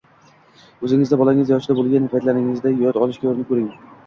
o‘zingizni bolangiz yoshida bo‘lgan paytingizni yodga olishga urinib ko‘ring.